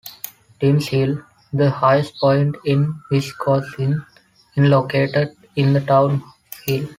Timms Hill, the highest point in Wisconsin, is located in the town of Hill.